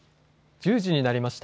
１０時になりました。